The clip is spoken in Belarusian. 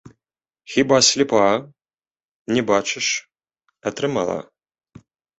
Хіба слепа, не бачыш, атрымала.